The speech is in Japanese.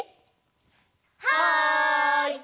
はい！